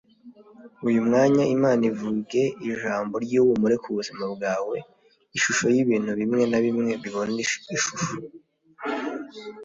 Uyu mwanya Imana ivuge ijambo ry’ihumure ku buzima bwawe ishusho y’ibintu bimwe na bimwe bibone ishusho